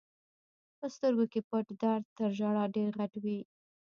په سترګو کې پټ درد تر ژړا ډېر غټ وي.